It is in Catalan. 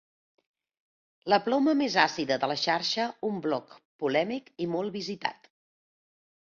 La ploma més àcida de la xarxa, un bloc polèmic i molt visitat.